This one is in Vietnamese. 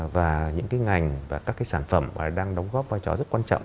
và những ngành và các sản phẩm đang đóng góp vai trò rất quan trọng